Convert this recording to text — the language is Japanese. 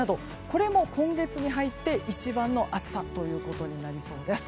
これも今月に入って一番の暑さとなりそうです。